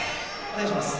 お願いします。